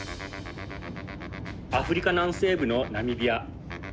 アフリカ南西部のナミビア。